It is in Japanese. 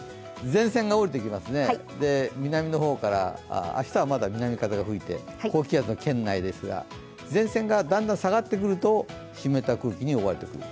前線が下りてきます、南の方から明日はまだ南風がついて高気圧圏内ですが前線がだんだん下がってくると、湿った空気に覆われてくる。